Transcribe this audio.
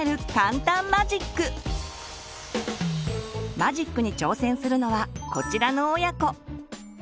マジックに挑戦するのはこちらの親子。